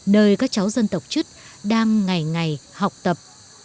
nơi các cháu dân tộc chất đang ngày ngày học tập